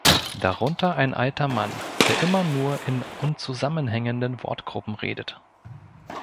Darunter ein alter Mann, der immer nur in unzusammenhängenden Wortgruppen redet.